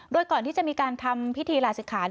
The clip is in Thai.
โดยก่อนที่จะมีการทำพิธีลาศิกขา